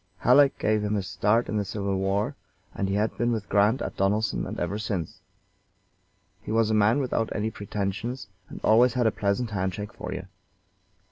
Halleck gave him his start in the civil war, and he had been with Grant at Donelson and ever since. He was a man without any pretensions, and always had a pleasant hand shake for you.